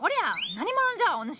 何者じゃお主は。